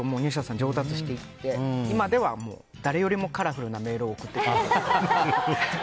上達していって今では誰よりもカラフルなメールを送ってくる。